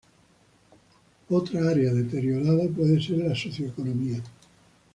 Otra área deteriorada puede ser la socioeconómica.